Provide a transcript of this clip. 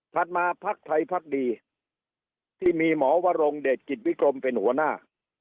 มาพักไทยพักดีที่มีหมอวรงเดชกิจวิกรมเป็นหัวหน้า